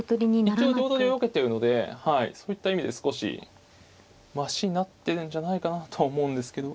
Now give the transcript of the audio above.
一応両取りよけてるのでそういった意味で少しましになってるんじゃないかなと思うんですけど。